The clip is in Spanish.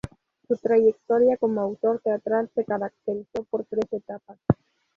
Su trayectoria como autor teatral se caracterizó por tres etapas.